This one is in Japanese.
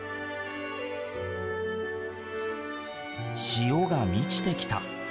潮が満ちてきた。